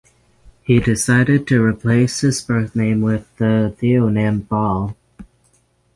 He decided to replace his birth name with the theonym Baal.